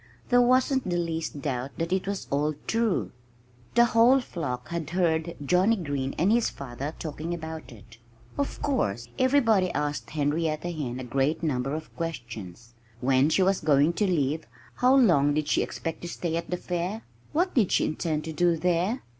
There wasn't the least doubt that it was all true. The whole flock had heard Johnnie Green and his father talking about it. Of course everybody asked Henrietta Hen a great number of questions. When was she going to leave? How long did she expect to stay at the fair? What did she intend to do there?